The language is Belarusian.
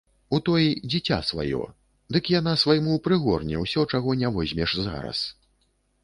У той дзіця сваё, дык яна свайму прыгорне ўсё, чаго не возьмеш зараз!